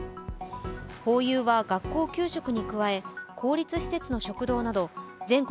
ホーユーは学校給食に加え公立施設の食堂など全国